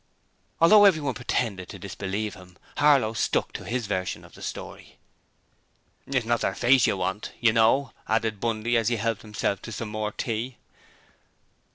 Although everyone pretended to disbelieve him, Harlow stuck to his version of the story. 'It's not their face you want, you know,' added Bundy as he helped himself to some more tea.